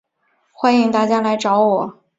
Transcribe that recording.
欢迎大家来找我